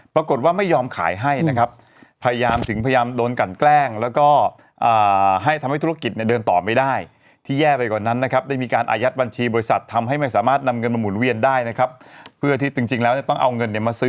ปรากฏว่าไม่ยอมขายให้นะครับพยายามถึงพยายามโดนกันแกล้ง